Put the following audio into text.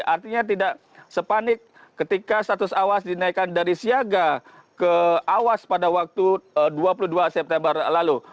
artinya tidak sepanik ketika status awas dinaikkan dari siaga ke awas pada waktu dua puluh dua september lalu